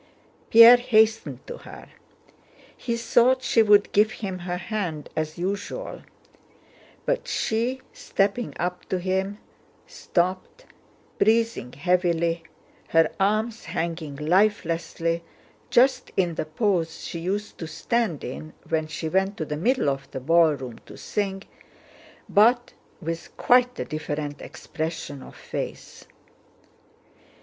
Pierre hastened to her. He thought she would give him her hand as usual; but she, stepping up to him, stopped, breathing heavily, her arms hanging lifelessly just in the pose she used to stand in when she went to the middle of the ballroom to sing, but with quite a different expression of face.